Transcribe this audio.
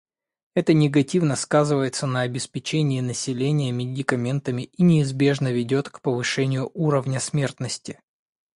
Это негативно сказывается на обеспечении населения медикаментами и неизбежно ведет к повышению уровня смертности.